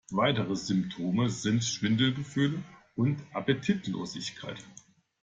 Weitere Symptome sind Schwindelgefühle und Appetitlosigkeit.